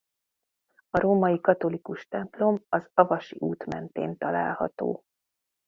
A római katolikus templom az Avasi út mentén található.